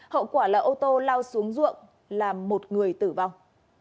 hậu quả là ô tô lao xuống ruộng làm một người tử vong